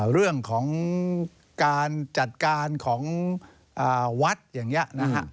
เรื่องของการจัดการของวัดอย่างนี้นะฮะ